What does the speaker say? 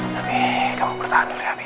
nanti kamu pertahan dulu ya abi ya